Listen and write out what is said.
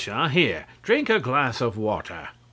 Crawshaw here drank a glass of water.